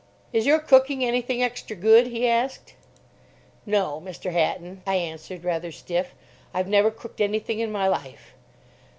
"Is your cooking anything extra good?" he asked. "No, Mr. Hatton," I answered, rather stiff; "I've never cooked anything in my life."